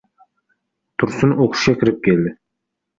Tursun o‘qishga kirib keldi.